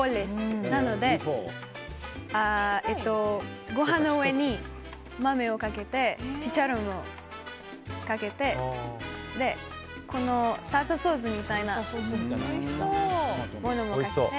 なので、ご飯の上に豆をかけてチチャロンをかけてサルサソースみたいなものをかけて。